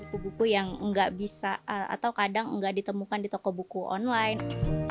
buku buku yang nggak bisa atau kadang nggak ditemukan di toko buku online